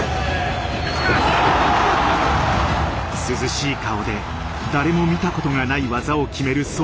涼しい顔で誰も見たことがない技を決める